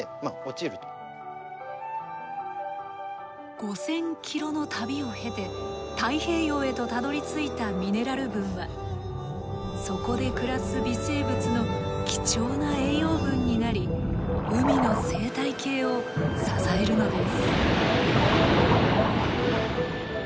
５，０００ｋｍの旅を経て太平洋へとたどりついたミネラル分はそこで暮らす微生物の貴重な栄養分になり海の生態系を支えるのです。